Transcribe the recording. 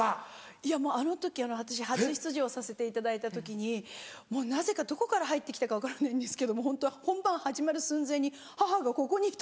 いやもうあの時私初出場させていただいた時にもうなぜかどこから入って来たか分からないんですけどホント本番始まる寸前に母がここにいたんですよ。